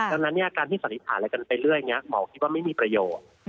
ดังนั้นการที่สันนิษฐานอะไรกันไปเรื่อยหมอคิดว่าไม่มีประโยชน์